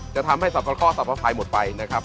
จะทำให้สรรพข้อสรรพคายหมดไปนะครับ